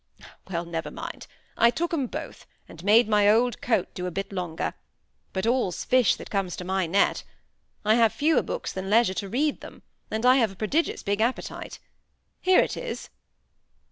. well, never mind! I took "em both, and made my old coat do a bit longer; but all's fish that comes to my net. I have fewer books than leisure to read them, and I have a prodigious big appetite. Here it is."